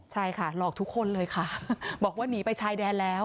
ใช่ค่ะหลอกทุกคนเลยค่ะบอกว่าหนีไปชายแดนแล้ว